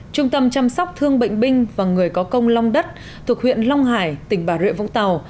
trung tâm chăm sóc thương bệnh binh và người có công long đất thuộc huyện long hải tỉnh bà rịa vũng tàu